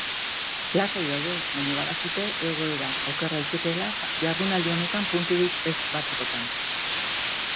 Lasai daude, baina badakite egoera oker daitekeela jardunaldi honetan punturik ez batzekotan.